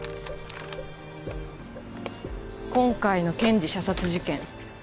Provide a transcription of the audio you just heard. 今回の検事射殺事件